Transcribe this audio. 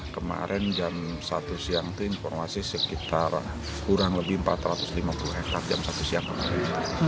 kemarin jam satu siang itu informasi sekitar kurang lebih empat ratus lima puluh hektare jam satu siang kemarin